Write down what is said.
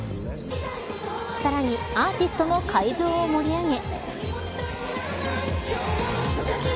さらにアーティストも会場を盛り上げ。